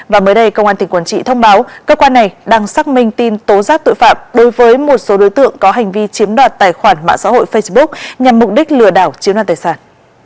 và mới đây công an tỉnh quảng trị thông báo cơ quan này đang xác minh tin tố giác tội phạm đối với một số đối tượng có hành vi chiếm đoạt tài khoản mạng xã hội facebook nhằm mục đích lừa đảo chiếm đoàn tài sản